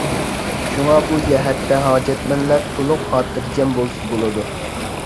شۇڭا بۇ جەھەتتە ھاجەتمەنلەر تولۇق خاتىرجەم بولسا بولىدۇ.